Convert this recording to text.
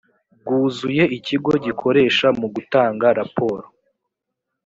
bwuzuye ikigo gikoresha mu gutanga raporo